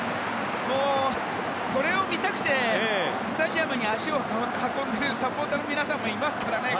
これを見たくてスタジアムに足を運んでいるサポーターの皆さんもいますからね。